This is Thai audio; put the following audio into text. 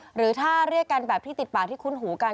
หรือถ้าเรียกกันแบบที่ติดปากที่คุ้นหูกัน